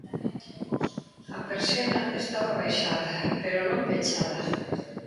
A persiana estaba baixada, pero non pechada.